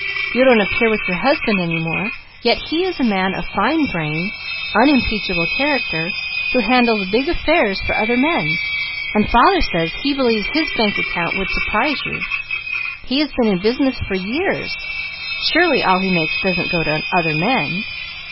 You don't appear with your husband any more; yet he is a man of fine brain, unimpeachable character, who handles big affairs for other men, and father says he believes his bank account would surprise you. He has been in business for years; surely all he makes doesn't go to other men."